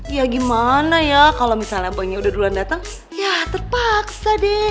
ya gimana ya kalau misalnya bangnya udah duluan datang ya terpaksa deh